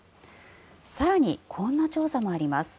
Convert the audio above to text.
更に、こんな調査もあります。